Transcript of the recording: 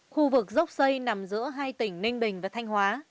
khu vực dốc xây nằm giữa hai tỉnh ninh bình và thanh hóa